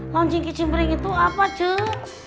loncin' kicimpring itu apa cek